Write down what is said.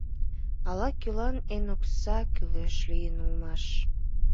Ала-кӧлан еҥ окса кӱлеш лийын улмаш.